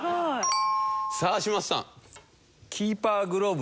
さあ嶋佐さん。